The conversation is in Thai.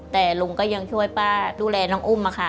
แต่ลุงก็ยังช่วยป้าดูแลน้องอุ้มค่ะ